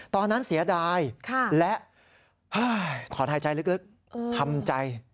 ตอนนั้นเสียดายและถอดหายใจลึกทำใจ